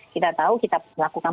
kita tahu kita lakukan